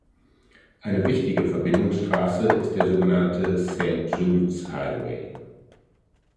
Eine wichtige Verbindungsstraße ist der so genannte "St Jude’S Highway".